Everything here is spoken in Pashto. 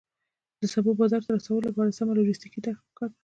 د سبو بازار ته رسولو لپاره سمه لوجستیکي طرحه پکار ده.